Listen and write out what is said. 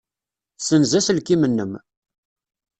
Ssenz aselkim-nnem.